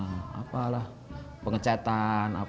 ini adalah pengecatan